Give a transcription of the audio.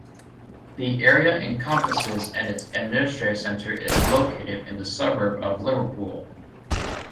The area encompasses and its administrative centre is located in the suburb of Liverpool.